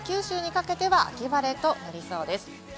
東京から九州にかけては秋晴れとなりそうです。